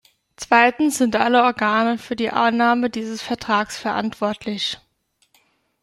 Zweitens sind alle Organe für die Annahme dieses Vertrags verantwortlich.